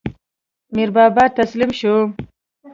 میربابا تسلیم شو.